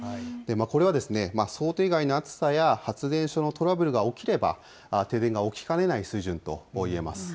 これは想定外の暑さや発電所のトラブルが起きれば、停電が起きかねない水準といえます。